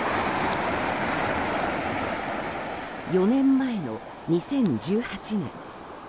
４年前の２０１８年。